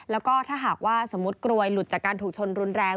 แล้วก็ถ้าหากว่าสมมุติกลวยหลุดจากการถูกชนรุนแรง